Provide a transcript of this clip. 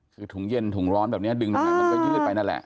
คือถุงเย็นถุงร้อนแบบนี้ดึงตรงไหนมันก็ยืดไปนั่นแหละ